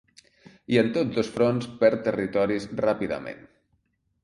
I en tots dos fronts perd territoris ràpidament.